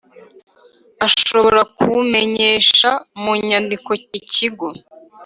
ashobora kumenyesha mu nyandiko ikigo